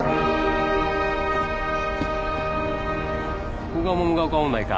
ここが桃ヶ丘音大か。